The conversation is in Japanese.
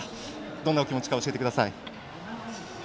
どんなお気持ちか教えてください。